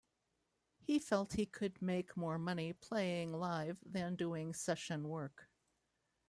He felt he could make more money playing live than doing session work.